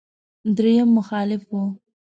درېيم مخالف و.